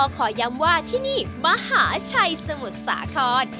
ขอย้ำว่าที่นี่มหาชัยสมุทรสาคร